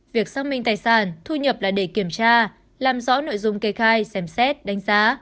việc xác minh tài sản thu nhập là để kiểm tra làm rõ nội dung kê khai xem xét đánh giá